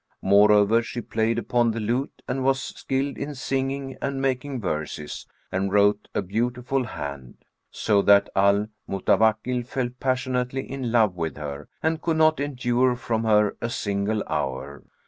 Moreover, she played upon the lute and was skilled in singing and making verses and wrote a beautiful hand; so that Al Mutawakkil fell passionately in love with her and could not endure from her a single hour.